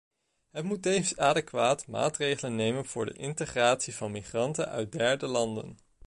Het moet tevens adequate maatregelen nemen voor de integratie van migranten uit derde landen.